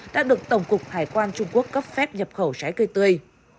đã được tổng cục hải quan trung quốc cấp phép nhập khẩu trái cây tươi